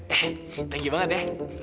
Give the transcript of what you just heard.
eh thank you banget ya